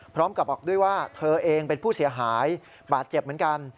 พร้อมกับบอกด้วยว่าเธอเองเป็นผู้เสียหายบาดเจ็บเหมือนกัน